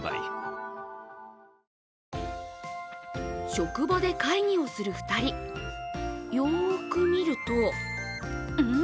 職場で会議をする２人よく見るとん？